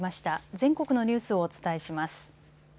全国のニュースをお伝えします。